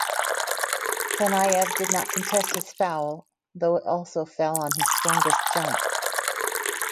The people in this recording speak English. Saneyev did not contest his foul, though it also fell on his strongest jump.